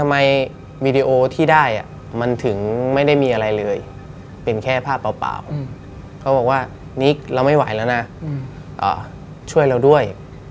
มีแต่มืดเท่าเฉย